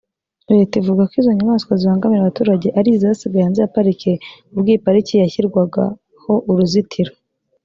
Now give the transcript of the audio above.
Leta ivuga ko izo nyamaswa zibangamira abaturage ari izasigaye hanze ya pariki ubwo iyi pariki yashyirwagaho uruzitiro